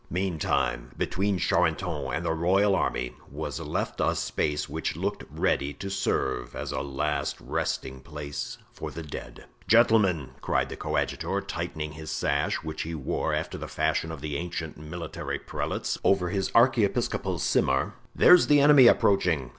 Meantime, between Charenton and the royal army was left a space which looked ready to serve as a last resting place for the dead. "Gentlemen," cried the coadjutor, tightening his sash, which he wore, after the fashion of the ancient military prelates, over his archiepiscopal simar, "there's the enemy approaching.